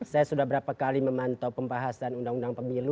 saya sudah berapa kali memantau pembahasan undang undang pemilu